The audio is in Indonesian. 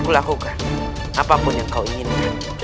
kulakukan apapun yang kau inginkan